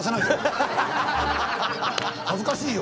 恥ずかしいよ。